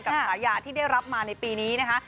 ฉายาที่ได้รับมาในปีนี้นะคะ